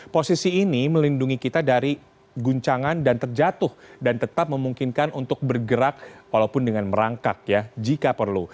posisi ini melindungi kita dari guncangan dan terjatuh dan tetap memungkinkan untuk bergerak walaupun dengan merangkak ya jika perlu